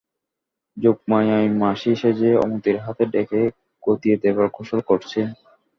যোগমায়াই মাসি সেজে অমিতর হাতে তাকে গতিয়ে দেবার কৌশল করছে।